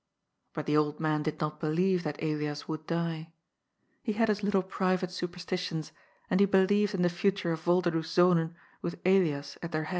But the old man did not believe that Elias would die. He had his little private superstitions, and he believed in the future of Volderdoes Zonen with Elias at their head.